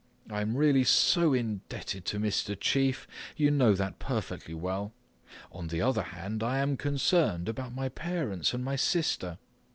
I am really so indebted to Mr. Chief you know that perfectly well. On the other hand, I am concerned about my parents and my sister.